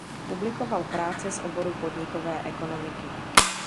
Publikoval práce z oboru podnikové ekonomiky.